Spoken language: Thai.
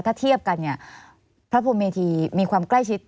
ถ้าเทียบกันเนี่ยพระพรมเมธีมีความใกล้ชิด